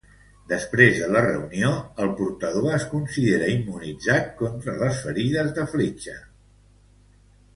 Després de la reunió, el portador es considera immunitzats contra les ferides de fletxa.